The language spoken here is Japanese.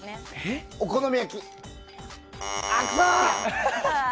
お好み焼き。